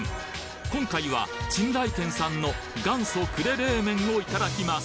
今回は珍来軒さんの元祖・呉冷麺をいただきます